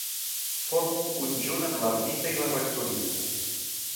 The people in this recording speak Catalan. Forma un conjunt amb l'ermita i la rectoria.